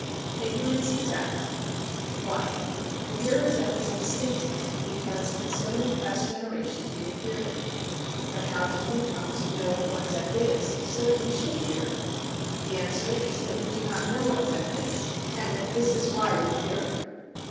Ignorance of Death i The fear of death is instinctive because in so many past generations we have feared it. But how did we come to know what death is so that we should fear it? The answer is that we do not know what death is and that this is why we fear it.